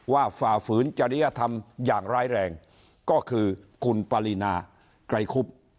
ฝ่าฝืนจริยธรรมอย่างร้ายแรงก็คือคุณปรินาไกรคุบ